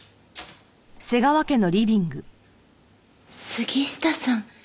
杉下さん。